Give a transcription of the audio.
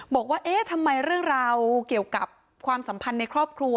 บอกว่าเอ๊ะทำไมเรื่องราวเกี่ยวกับความสัมพันธ์ในครอบครัว